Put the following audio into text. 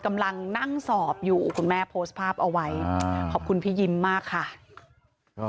กำลังนั่งสอบอยู่คุณแม่โพสต์ภาพเอาไว้ขอบคุณพี่ยิ้มมากค่ะ